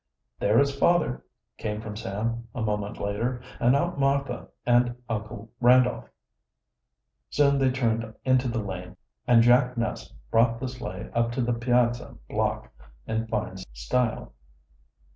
"There is father!" came from Sam, a moment later; "and aunt Martha and Uncle Randolph!" Soon they turned into the lane, and Jack Ness brought the sleigh up to the piazza block in fine style.